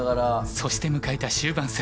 そして迎えた終盤戦。